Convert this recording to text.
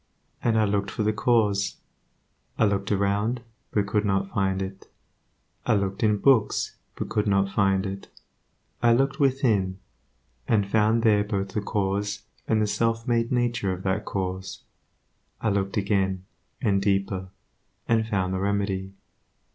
And I looked for the cause. I looked around, but could not find it; I looked in books, but could not find it; I looked within, and found there both the cause and the self made nature of that cause. I looked again, and deeper, and found the remedy.